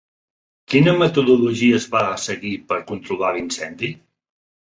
Quina metodologia es va seguir per controlar l'incendi?